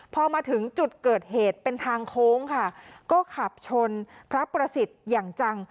พอมาถึงจุดเกิดเหตุเป็นทางโค้งค่ะก็ขับชนพระประสิทธิ์อย่างจัง